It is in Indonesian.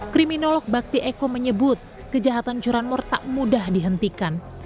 kriminolog bakti eko menyebut kejahatan curanmor tak mudah dihentikan